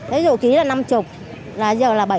ví dụ ký là năm mươi là giờ là bảy mươi ký tăng hai mươi một ký